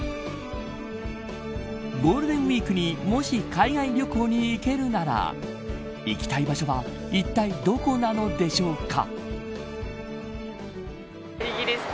ゴールデンウイークにもし海外旅行に行けるなら行きたい場所はいったいどこなのでしょうか。